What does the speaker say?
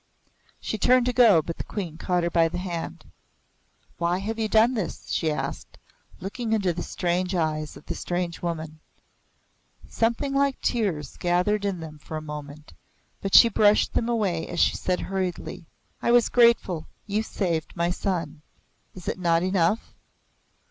She turned to go, but the Queen caught her by the hand. "Why have you done this?" she asked, looking into the strange eyes of the strange woman. Something like tears gathered in them for a moment, but she brushed them away as she said hurriedly: "I was grateful. You saved my son. Is it not enough?"